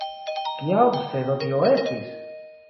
Kia obsedo tio estis?